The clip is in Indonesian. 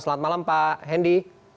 selamat malam pak hendy